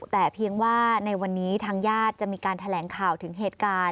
แต่เพียงว่าในวันนี้ทางญาติจะมีการแถลงข่าวถึงเหตุการณ์